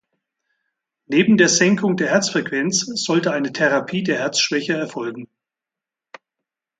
Neben der Senkung der Herzfrequenz sollte eine Therapie der Herzschwäche erfolgen.